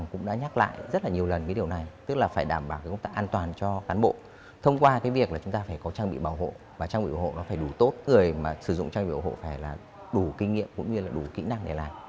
cũng đã nhắc lại rất là nhiều lần cái điều này tức là phải đảm bảo cái công tác an toàn cho cán bộ thông qua cái việc là chúng ta phải có trang bị bảo hộ và trang bị ủng hộ nó phải đủ tốt người mà sử dụng trang bị ủng hộ phải là đủ kinh nghiệm cũng như là đủ kỹ năng để làm